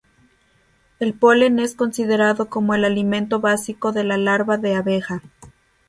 El polen es considerado como el alimento básico de la larva de abeja.